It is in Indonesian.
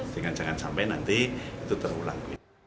jangan sampai nanti itu terulang